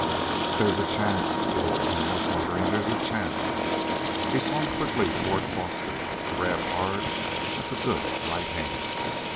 "There's a chance," the older man was muttering, "there's a chance...." He swung quickly toward Foster, to grab hard at the good right hand.